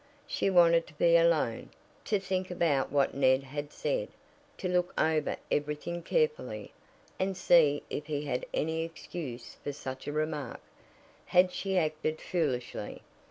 She wanted to be alone to think about what Ned had said, to look over everything carefully, and see if he had any excuse for such a remark. Had she acted foolishly?